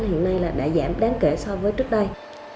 hiện nay là đã giảm đáng kể so với trước đây